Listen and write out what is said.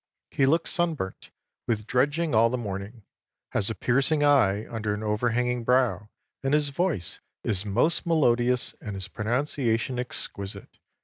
He looks sunburnt with dredging all the morning, has a piercing eye under an overhanging brow, and his voice is most melodious and his pronunciation exquisite.